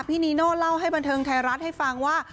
นีโน่เล่าให้บันเทิงไทยรัฐให้ฟังว่า